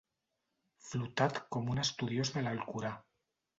Flotat com un estudiós de l'Alcorà.